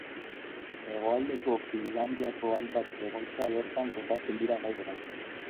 Hegoaldeko Finlandiako hainbat egoitza bertan kokatzen dira gaur egun.